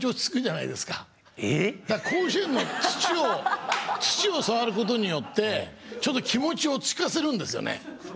だから甲子園の土を触ることによってちょっと気持ちを落ち着かせるんですよね。